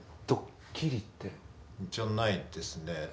ドッキリって？じゃないですね。